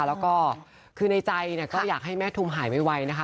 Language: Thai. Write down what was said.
แล้วก็คือในใจเนี่ยก็อยากให้แม่ทุมหายไวนะคะ